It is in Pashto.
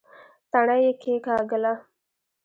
تڼۍ يې کېکاږله.